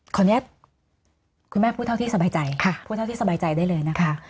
ขออนุญาตคุณแม่พูดเท่าที่สบายใจพูดเท่าที่สบายใจได้เลยนะคะ